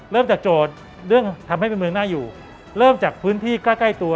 เริ่มจากโจทย์เรื่องทำให้เป็นเมืองน่าอยู่เริ่มจากพื้นที่ใกล้ใกล้ตัว